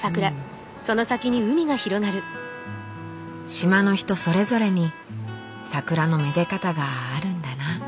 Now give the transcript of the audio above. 島の人それぞれに桜の愛で方があるんだな。